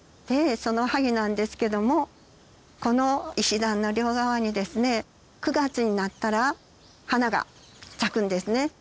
その萩なんですけどもこの石段の両側にですね９月になったら花が咲くんですね。